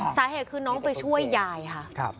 สาเหตุคือน้องไปช่วยยายค่ะ